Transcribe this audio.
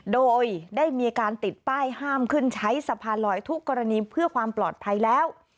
โดยได้มีการติดป้ายห้ามขึ้นใช้สะพานลอยทุกกรณีเพื่อความปลอดภัยแล้ว